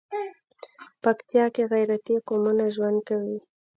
پکتيا کې غيرتي قومونه ژوند کوي.